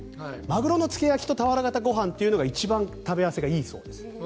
鮪の漬け焼と俵型ご飯というのが一番食べ合わせがいいそうです。